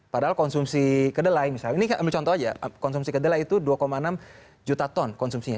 padahal konsumsi kedelai misalnya ini ambil contoh aja konsumsi kedelai itu dua enam juta ton konsumsinya